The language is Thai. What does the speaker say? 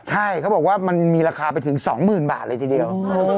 ใช่เขาบอกว่ามันมีราคาไปถึง๒๐๐๐บาทเลยทีเดียว